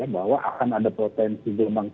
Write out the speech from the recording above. bahwa akan ada potensi gelombang